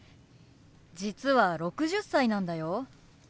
実は６０歳なんだよ。